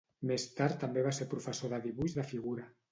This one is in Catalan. Més tard també va ser professor de dibuix de figura.